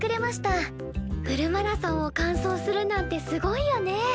フルマラソンを完走するなんてすごいよね。